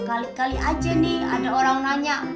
kali kali aja nih ada orang nanya